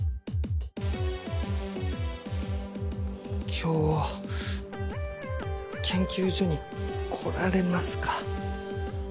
今日研究所に来られますか？